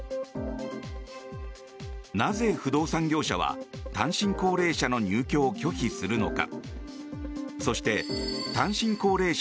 なぜ不動産業者は、単身高齢者の入居を拒否するのか。